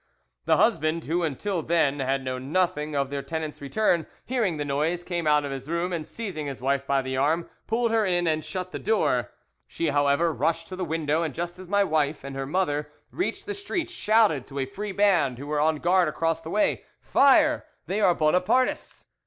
"The husband, who until then had known nothing of their tenant's return, hearing the noise, came out of his room, and, seizing his wife by the arm, pulled her in and shut the door. She, however, rushed to the window, and just as my wife and her mother reached the street, shouted to a free band who were on guard across the way, 'Fire! they are Bonapartists!